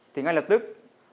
thì ngay lập tức